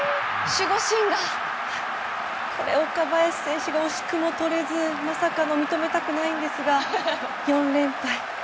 守護神が、これを若林選手が惜しくもとれずまさかの、認めたくないんですが４連敗。